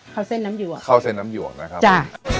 เข้าเส้นน้ำหยวกเข้าเส้นน้ำหยวกนะครับจ้ะ